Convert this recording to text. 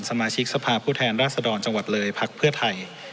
สมาชิกสภาพผู้แทนราชดรจังหวัดเลยพักเพื่อไทย